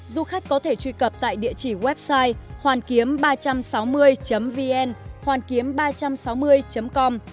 du khách có thể truy cập tại địa chỉ website hoànkiếm ba trăm sáu mươi vn hoànkiếm ba trăm sáu mươi com